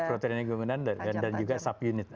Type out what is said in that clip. protein recombinant dan juga subunit